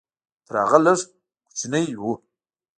تر هغه لږ کوچنی و.